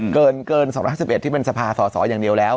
การสภาพสระสอร์ห์อันที่เป็นในสภาสรออย่างเดียวแล้ว